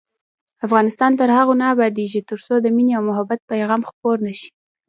افغانستان تر هغو نه ابادیږي، ترڅو د مینې او محبت پیغام خپور نشي.